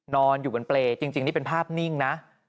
นอนอยู่บนเปรย์จริงนี่เป็นภาพนิ่งนะ